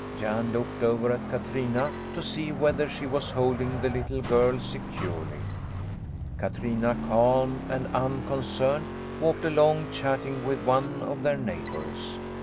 Jan looked over at Katrina to see whether she was holding the little girl securely. Katrina, calm and unconcerned, walked along, chatting with one of their neighbours.